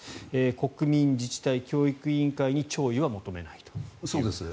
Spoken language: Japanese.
国民、自治体、教育委員会に弔意は求めないと。